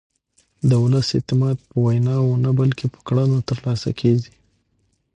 د ولس اعتماد په ویناوو نه بلکې په کړنو ترلاسه کېږي